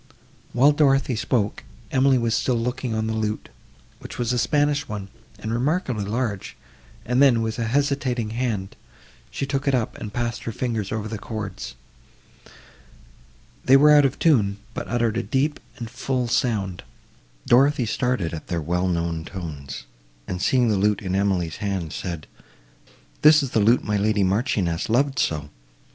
While Dorothée spoke, Emily was still looking on the lute, which was a Spanish one, and remarkably large; and then, with a hesitating hand, she took it up, and passed her fingers over the chords. They were out of tune, but uttered a deep and full sound. Dorothée started at their well known tones, and, seeing the lute in Emily's hand, said, "This is the lute my lady Marchioness loved so!